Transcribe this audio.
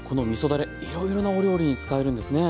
だれいろいろなお料理に使えるんですね。